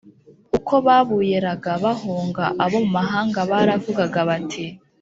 Uko babuyeraga bahunga, abo mu mahanga baravugaga bati